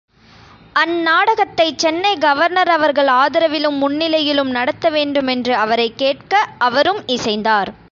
அந்நாடகத்தைச் Chennai governor அவர்கள் ஆதரவிலும் முன்னிலையிலும் நடத்த வேண்டுமென்று அவரைக் கேட்க அவரும் இசைந்தார்.